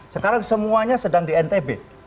sekarang semuanya sedang di ntb